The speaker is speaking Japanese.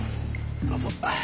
どうぞ。